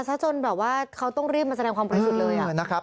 แต่ว่าเขาต้องรีบมาแสดงความปล่อยสุดเลย